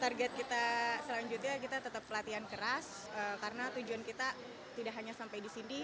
target kita selanjutnya kita tetap pelatihan keras karena tujuan kita tidak hanya sampai di sini